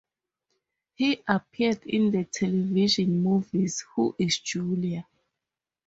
He appeared in the television movies Who is Julia?